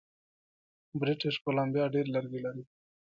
بریټیش کولمبیا ډیر لرګي لري.